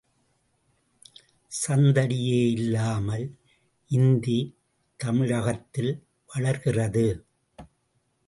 சந்தடியே இல்லாமல் இந்தி தமிழகத்தில் வளர்கிறது.